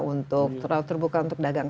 untuk terbuka untuk daerah